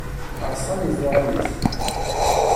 Rṣan iẓuṛan-is.